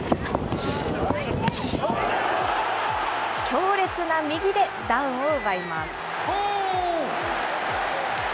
強烈な右でダウンを奪います。